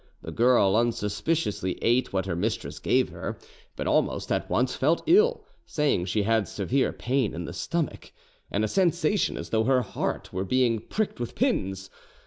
The girl unsuspiciously ate what her mistress gave her, but almost at once felt ill, saying she had severe pain in the stomach, and a sensation as though her heart were being pricked with pins.